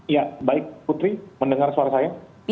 ya baik putri mendengar suara saya